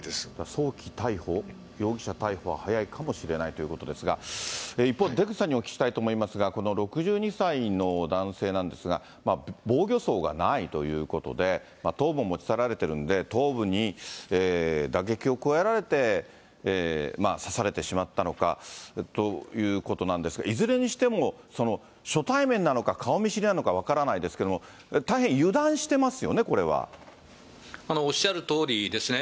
早期逮捕、容疑者逮捕は早いかもしれないということですが、一方、出口さんにお聞きしたいと思いますが、この６２歳の男性なんですが、防御創がないということで、頭部を持ち去られてるんで、頭部に打撃を加えられて、刺されてしまったのかということなんですが、いずれにしても初対面なのか、顔見知りなのか分からないですけども、大変油断してますよね、こおっしゃるとおりですね。